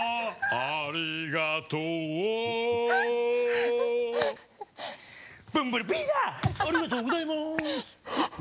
ありがとうございます。